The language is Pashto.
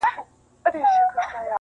یو څه بېخونده د ده بیان دی-